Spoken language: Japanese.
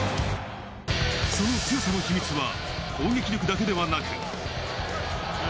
その強さの秘密は攻撃力だけでなく。